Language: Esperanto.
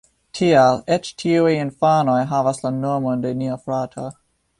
Tial eĉ tiuj infanoj havas la nomon de nia frato